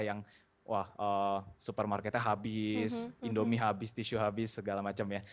yang wah supermarketnya habis indomie habis tisu habis segala macam ya